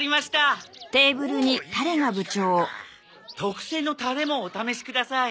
特製のタレもお試しください。